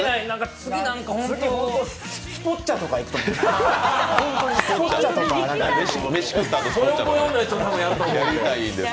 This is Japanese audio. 次、スポッチャとか行くと思います。